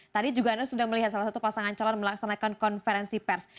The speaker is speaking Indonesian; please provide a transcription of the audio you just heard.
tadi juga anda sudah melihat salah satu pasangan calon melaksanakan konferensi pers